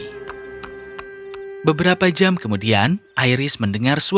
airis menangis dan dia mengeluarkan kepalanya keluar jendela dengan sedih